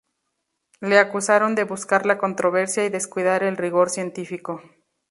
Le acusaron de buscar la controversia y descuidar el rigor científico.